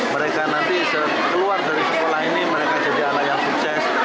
mereka nanti keluar dari sekolah ini mereka jadi anak yang sukses